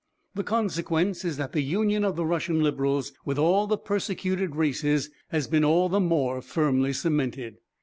The consequence is that the union of the Russian Liberals with all the persecuted races has been all the more firmly cemented.